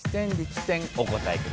お答えください。